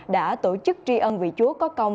đã tổ chức tri ân vị chúa có công